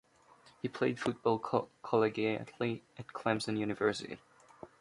He played football collegiately at Clemson University.